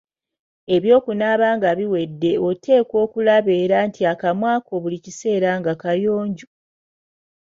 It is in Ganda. Eby'okunaaba nga biwedde oteekwa okulaba era nti akamwa ko buli kiseera nga kayonjo.